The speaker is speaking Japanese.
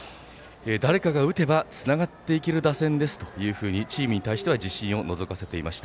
誰かが打てばつながっていける打線ですとチームに対しては自信をのぞかせていました。